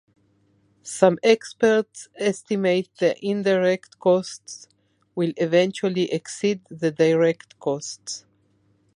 Some experts estimate the indirect costs will eventually exceed the direct costs.